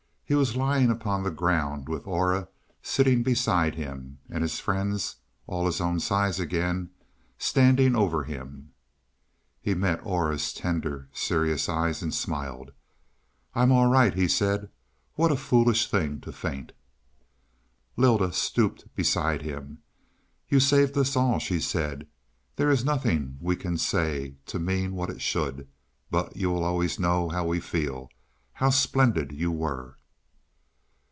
He was lying upon the ground, with Aura sitting beside him, and his friends all his own size again standing over him. He met Aura's tender, serious eyes, and smiled. "I'm all right," he said. "What a foolish thing to faint." Lylda stooped beside him, "You saved us all," she said. "There is nothing we can say to mean what it should. But you will always know how we feel; how splendid you were."